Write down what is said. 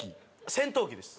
戦闘機です。